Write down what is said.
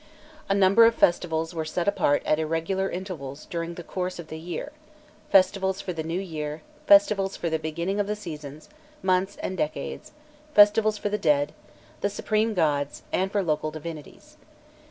A number of festivals were set apart at irregular intervals during the course of the year: festivals for the new year, festivals for the beginning of the seasons, months and decades, festivals for the dead, for the supreme gods, and for local divinities.